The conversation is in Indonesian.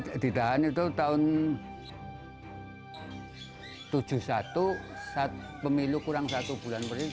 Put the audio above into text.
saya ditahan itu tahun seribu sembilan ratus tujuh puluh satu saat pemilu kurang satu bulan